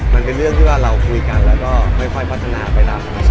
มันเป็นเรื่องที่ว่าเราคุยกันแล้วก็ค่อยพัฒนาไปแล้ว